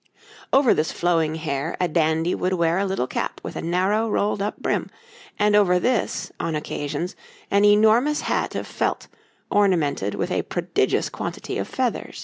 Over this flowing hair a dandy would wear a little cap with a narrow, rolled up brim, and over this, on occasions, an enormous hat of felt, ornamented with a prodigious quantity of feathers.